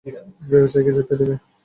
ভেবেছ একাই যেতে দেব?